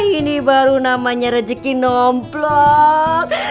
ini baru namanya rezeki nomplok